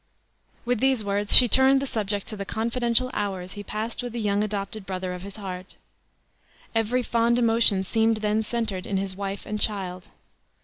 With these words she turned the subject to the confidential hours he passed with the young adopted brother of his heart. Every fond emotion seemed then centered in his wife and child.